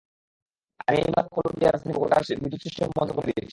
আমি এইমাত্র কলম্বিয়ার রাজধানী বোগোটার বিদ্যুৎ সিস্টেম বন্ধ করে দিয়েছি।